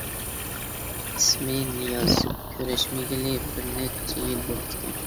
ئىسمى نىياز، كۆرۈشمىگىلى بىر نەچچە يىل بوپتىكەن.